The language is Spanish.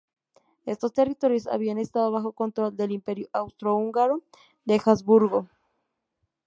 Estos territorios habían estado bajo control del Imperio austrohúngaro de Habsburgo.